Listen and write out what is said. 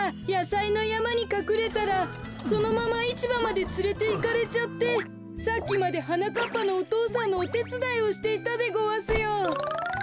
やさいのやまにかくれたらそのままいちばまでつれていかれちゃってさっきまではなかっぱのお父さんのおてつだいをしていたでごわすよ。